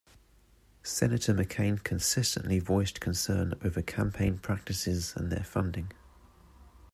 Senator McCain consistently voiced concern over campaign practices and their funding.